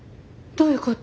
どういうこと？